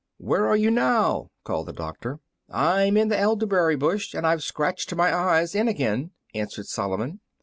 "Where are you now?" called out the doctor. "I'm in the elderberry bush, and I've scratched my eyes in again!" answered Solomon.